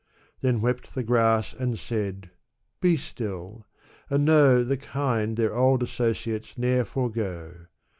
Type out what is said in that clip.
Then wept the grass and said, '' Be still ! and know The kind their old associates ne'er forego.